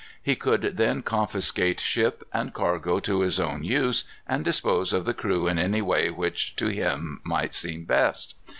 He could then confiscate ship and cargo to his own use, and dispose of the crew in any way which to him might seem best.